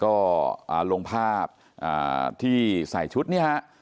ก็ลงภาพที่ใส่ชุดเนี่ยฮะ